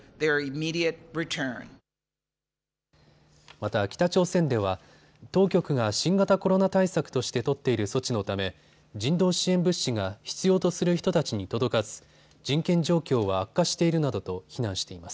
また北朝鮮では当局が新型コロナ対策として取っている措置のため人道支援物資が必要とする人たちに届かず人権状況は悪化しているなどと非難しています。